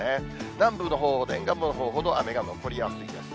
南部のほう、沿岸部のほうほど雨が残りやすいです。